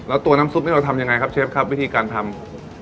แล้วตัวน้ำซุปนี้เราทำยังไงครับเชฟครับวิธีการทำ